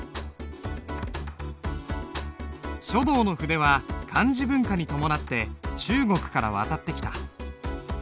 書道の筆は漢字文化に伴って中国から渡ってきた。